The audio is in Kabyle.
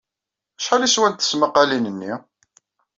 Acḥal ay swant tesmaqqalin-nni?